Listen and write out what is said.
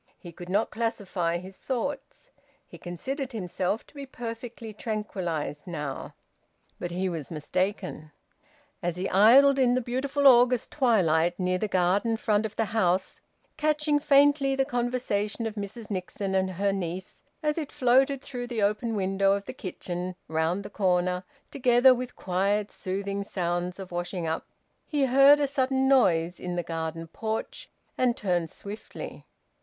He could not classify his thoughts. He considered himself to be perfectly tranquillised now, but he was mistaken. As he idled in the beautiful August twilight near the garden front of the house, catching faintly the conversation of Mrs Nixon and her niece as it floated through the open window of the kitchen, round the corner, together with quiet soothing sounds of washing up, he heard a sudden noise in the garden porch, and turned swiftly.